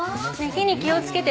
火に気を付けてね。